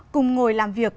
cùng ngồi làm việc